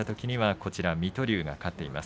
こちら水戸龍が勝っています。